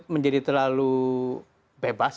menjadi terlalu bebas